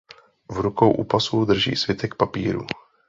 V rukou u pasu drží svitek papírů.